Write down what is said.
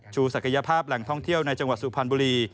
ศักยภาพแหล่งท่องเที่ยวในจังหวัดสุพรรณบุรี